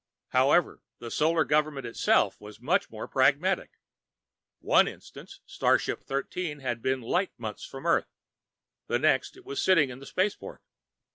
However, the Solar Government itself was much more pragmatic. One instant, starship Thirteen had been light months from Earth, the next it was sitting in the Spaceport.